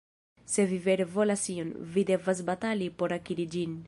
Se vi vere volas ion, vi devas batali por akiri ĝin.